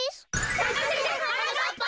さかせてはなかっぱ。